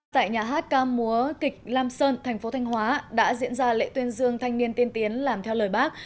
tại nhà hát ca múa kịch lam sơn thành phố thanh hóa đã diễn ra lễ tuyên dương thanh niên tiên tiến làm theo lời bác